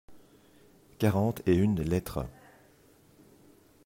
Quarante et une lettres.